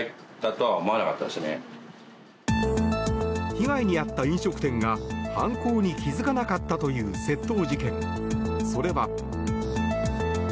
被害に遭った飲食店が犯行に気づかなかったという窃盗事件、それは。